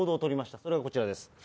それがこちらです。